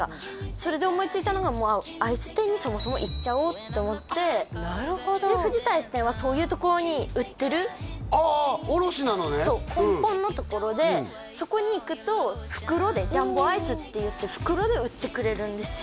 それで思いついたのがもうアイス店にそもそも行っちゃおうと思ってなるほどで藤田アイス店はそういうところに売ってるああ卸なのねそう根本のところでそこに行くと袋でジャンボアイスっていって袋で売ってくれるんですよ